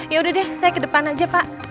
ya udah deh saya ke depan aja pak